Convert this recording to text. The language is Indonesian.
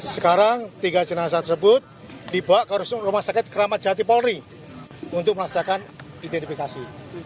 sekarang tiga jenazah tersebut dibawa ke rumah sakit keramat jati polri untuk melaksanakan identifikasi